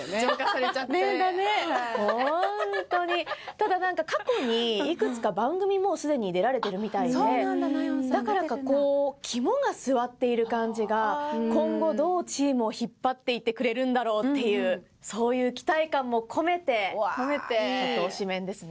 ただなんか過去にいくつか番組もうすでに出られてるみたいでだからかこう肝が据わっている感じが今後どうチームを引っ張っていってくれるんだろうっていうそういう期待感も込めてちょっと推しメンですね。